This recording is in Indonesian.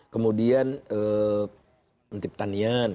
kemudian menteri petanian